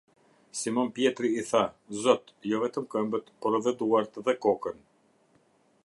Simon Pjetri i tha: "Zot, jo vetëm këmbët, por edhe duart dhe kokën".